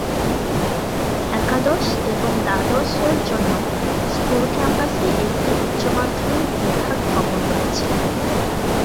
একাদশ এবং দ্বাদশ এর জন্য স্কুল ক্যাম্পাসে একটি উচ্চ মাধ্যমিক বিভাগ ভবন রয়েছে।